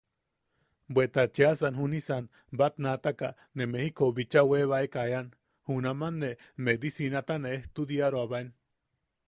Bweta cheʼasan junisan batnaataka ne Mejikou bicha ne webaeka ean, junaman ne medicinata ne ejtudiaroabaen.